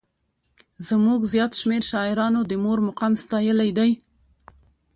زموږ زیات شمېر شاعرانو د مور مقام ستایلی دی.